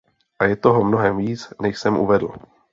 A je toho mnohem více, než jsem uvedl.